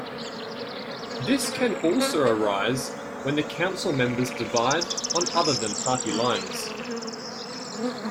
This can also arise when the council members divide on other than party lines.